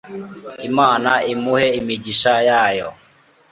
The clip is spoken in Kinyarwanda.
Imana imuhe imigisha yayo